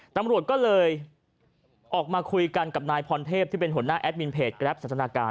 ตำรวจก็เลยออกมาคุยกันกับนายพรเทพที่เป็นหัวหน้าแอดมินเพจแกรปสันทนาการ